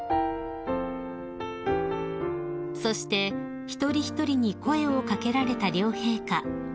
［そして一人一人に声を掛けられた両陛下］